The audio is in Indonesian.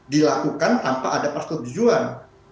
dilakukan tanpa ada persetujuan